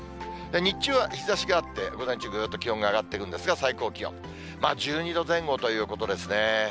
日中は日ざしがあって、午前中、ぐっと気温が上がっていくんですが、最高気温、１２度前後ということですね。